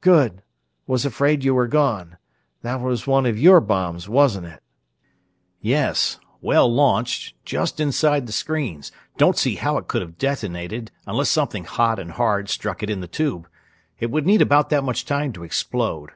"Good! Was afraid you were gone that was one of your bombs, wasn't it?" "Yes. Well launched, just inside the screens. Don't see how it could have detonated unless something hot and hard struck it in the tube; it would need about that much time to explode.